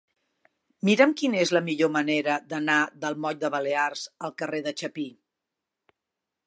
Mira'm quina és la millor manera d'anar del moll de Balears al carrer de Chapí.